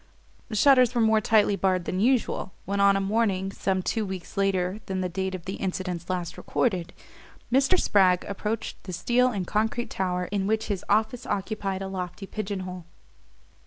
The shutters were more tightly barred than usual, when, on a morning some two weeks later than the date of the incidents last recorded, Mr. Spragg approached the steel and concrete tower in which his office occupied a lofty pigeon hole.